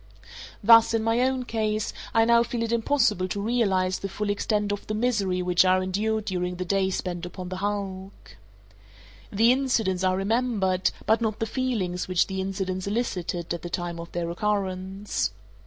Thus, in my own case, I now feel it impossible to realize the full extent of the misery which I endured during the days spent upon the hulk. The incidents are remembered, but not the feelings which the incidents elicited at the time of their occurrence.